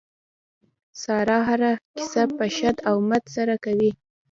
ساره هره کیسه په شد او مد سره کوي.